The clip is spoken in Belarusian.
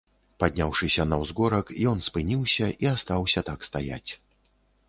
Падняўшыся на ўзгорак, ён спыніўся і астаўся так стаяць.